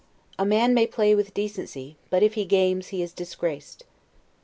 A man may play with decency; but if he games, he is disgraced.